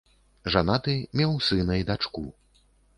Жанаты, меў сына і дачку.